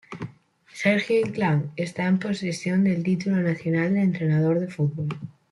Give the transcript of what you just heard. Sergio Inclán está en posesión del título nacional de entrenador de fútbol.